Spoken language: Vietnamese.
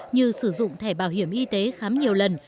như sử dụng thẻ bảo hiểm y tế khám nhiều lần